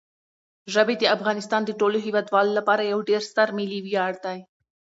ژبې د افغانستان د ټولو هیوادوالو لپاره یو ډېر ستر ملي ویاړ دی.